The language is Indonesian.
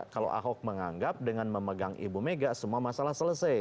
kalau ahok menganggap dengan memegang ibu mega semua masalah selesai